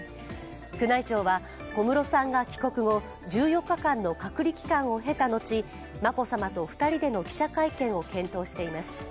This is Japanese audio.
宮内庁は、小室さんが帰国後、１４日間の隔離期間を経た後眞子さまと２人での記者会見を検討しています。